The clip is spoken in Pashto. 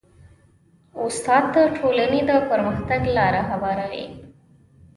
استاد د ټولنې د پرمختګ لاره هواروي.